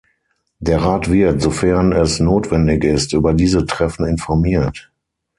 Der Rat wird, sofern es notwendig ist, über diese Treffen informiert.